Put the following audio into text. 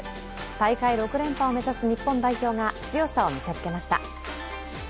大会６連覇を目指す日本代表が強さを見せつけました。